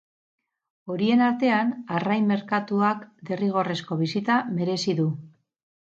Horien artean, arrain merkatuak derrigorrezko bisita merezi du.